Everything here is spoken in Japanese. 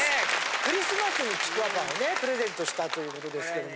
クリスマスにちくわぱんをねプレゼントしたという事ですけども。